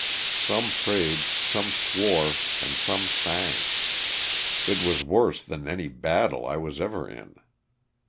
Some prayed, some swore and some sang. It was worse than any battle I was ever in.